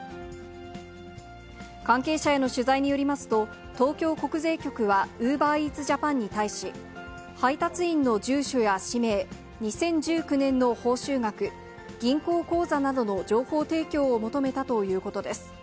関係者への取材によりますと、東京国税局はウーバーイーツジャパンに対し、配達員の住所や氏名、２０１９年の報酬額、銀行口座などの情報提供を求めたということです。